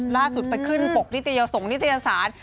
ล่าสุดไปขึ้นปกนิตยาศูนย์ส่งนิตยาศาสตร์